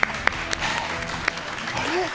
あれ？